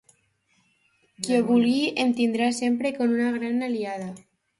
Qui ho vulgui, em tindrà sempre com una gran aliada.